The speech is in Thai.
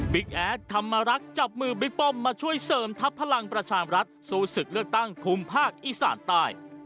แอดธรรมรักษ์จับมือบิ๊กป้อมมาช่วยเสริมทัพพลังประชามรัฐสู้ศึกเลือกตั้งคุมภาคอีสานใต้